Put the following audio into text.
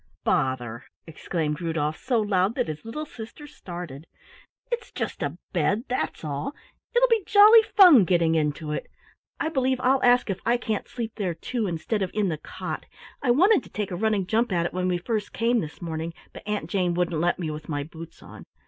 "Bother!" exclaimed Rudolf so loud that his little sister started. "It's just a bed, that's all. It'll be jolly fun getting into it. I believe I'll ask if I can't sleep there, too, instead of in the cot. I wanted to take a running jump at it when we first came this morning, but Aunt Jane wouldn't let me with my boots on.